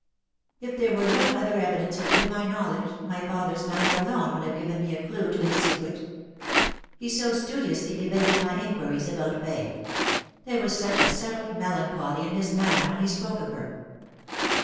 " If there were no other evidence within my knowledge, my father's manner alone would have given me a clue to his secret. He so studiously evaded my inquiries about Fay there was such a settled melancholy in his manner when he spoke ot her."